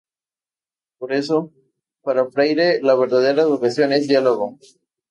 Por eso, para Freire, la verdadera educación es diálogo.